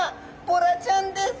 ボラちゃんです！